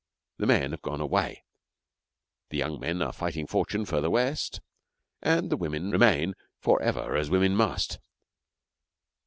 The men have gone away the young men are fighting fortune further West, and the women remain remain for ever as women must.